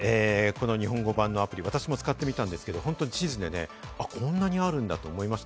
日本語版のアプリ、私も使ってみたんですけど、地図でね、こんなにあるんだ！と思いました。